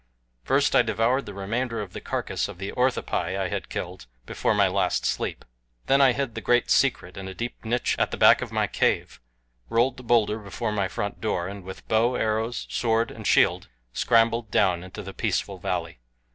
First I devoured the remainder of the carcass of the orthopi I had killed before my last sleep. Then I hid the Great Secret in a deep niche at the back of my cave, rolled the bowlder before my front door, and with bow, arrows, sword, and shield scrambled down into the peaceful valley.